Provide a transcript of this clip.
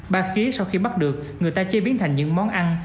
ba khía sau khi bắt được người ta chế biến thành những món ăn